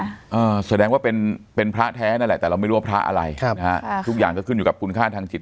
สวัสดีแล้วว่าเป็นคนพระแท้แต่แต่เราไม่รู้ว่าพระอะไร